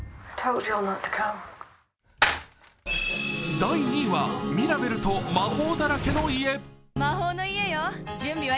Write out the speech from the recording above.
第２位は「ミラベルと魔法だらけの家」。